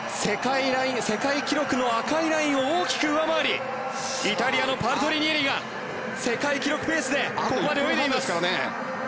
世界記録の赤いラインを大きく上回りイタリアのパルトリニエリが世界記録ペースでここまで泳いでいます。